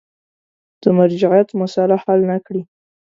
د مرجعیت مسأله حل نه کړي.